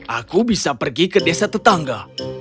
aku bisa pergi ke desa tetangga